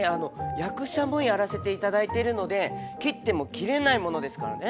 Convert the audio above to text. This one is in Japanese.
役者もやらせていただいてるので切っても切れないものですからね。